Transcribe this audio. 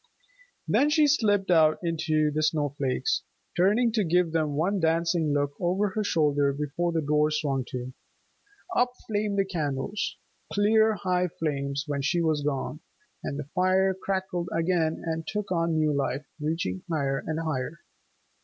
Then she slipped out into the snow flakes, turning to give them one dancing look over her shoulder before the door swung to. Up flamed the candles, clear high flames when she was gone, and the fire crackled again, and took on new life, reaching higher and higher.